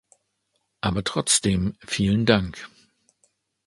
Aber trotzdem vielen Dank.